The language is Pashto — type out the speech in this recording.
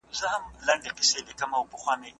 حرامه روزي اور دی.